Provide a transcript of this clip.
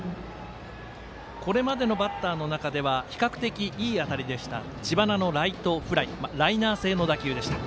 これまでのバッターの中では比較的いい当たりでした知花のライトフライライナー性の打球でした。